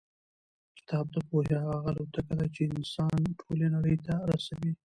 کتاب د پوهې هغه الوتکه ده چې انسان ټولې نړۍ ته رسوي.